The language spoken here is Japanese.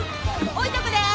置いとくで。